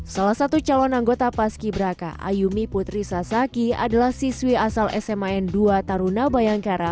salah satu calon anggota paski braka ayumi putri sasaki adalah siswi asal sman dua taruna bayangkara